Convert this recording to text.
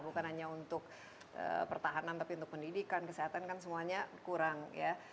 bukan hanya untuk pertahanan tapi untuk pendidikan kesehatan kan semuanya kurang ya